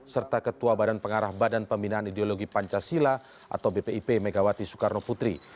serta ketua badan pengarah badan pembinaan ideologi pancasila atau bpip megawati soekarno putri